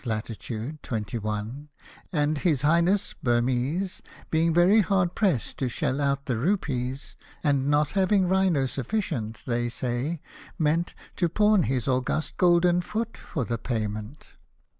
Lat. 21) — and his Highness Burmese, Being very hard pressed to shell out the rupees. And not having rhino sufficient, they say, meant To pawn his august Golden Foot for the payment.